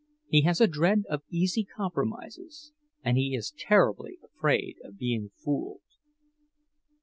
He has a dread of easy compromises, and he is terribly afraid of being fooled.